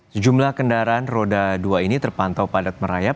sejumlah kendaraan roda dua ini terpantau padat merayap